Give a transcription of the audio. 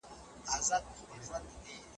زرشګه